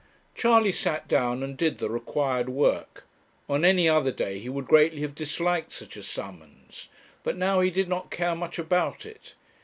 Charley sat down and did the required work. On any other day he would greatly have disliked such a summons, but now he did not care much about it.